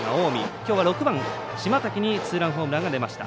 きょうは６番、島瀧にツーランホームランが出ました。